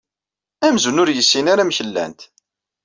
Amzun ur yessin ara amek llant.